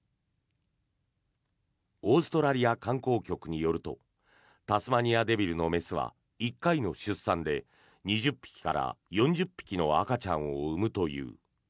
オーストラリア観光局によるとタスマニアデビルの雌は１回の出産で２０匹から４０匹の赤ちゃんを産むという。